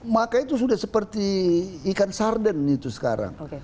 maka itu sudah seperti ikan sarden itu sekarang